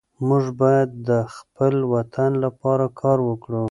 موږ باید د خپل وطن لپاره کار وکړو.